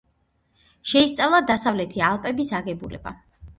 შეისწავლა დასავლეთი ალპების აგებულება.